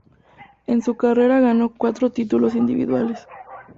En su carrera ganó cuatro títulos individuales.